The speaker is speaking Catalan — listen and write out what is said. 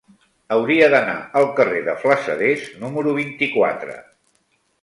Hauria d'anar al carrer de Flassaders número vint-i-quatre.